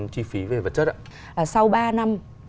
chi phí về vật chất ạ sau ba năm